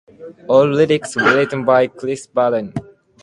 All lyrics written by Chris Barnes.